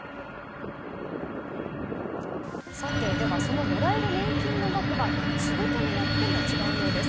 さて、ではその、もらえる年金の額は仕事によっても違うようです。